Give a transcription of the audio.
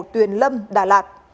tuyền lâm đà lạt